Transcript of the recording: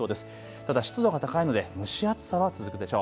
ただ湿度が高いので蒸し暑さは続くでしょう。